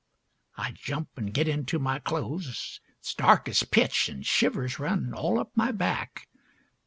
I jump an' get into my clothes; It's dark as pitch, an' shivers run All up my back.